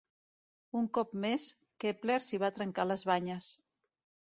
Un cop més, Kepler s'hi va trencar les banyes.